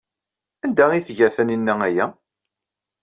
Anda ay tga Taninna aya?